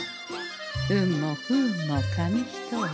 運も不運も紙一重。